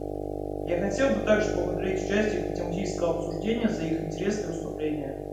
Я хотела бы также поблагодарить участников тематического обсуждения за их интересные выступления.